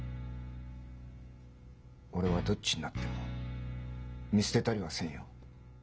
俺はどっちになっても見捨てたりはせんよ。